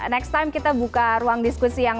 next time kita buka ruang diskusi yang